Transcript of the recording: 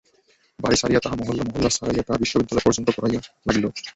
বাড়ি ছাড়িয়া তাহা মহল্লা, মহল্লা ছাড়াইয়া তাহা বিশ্ববিদ্যালয় পর্যন্ত গড়াইতে লাগিল।